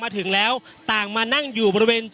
อย่างที่บอกไปว่าเรายังยึดในเรื่องของข้อ